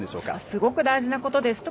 すごく大事なことです。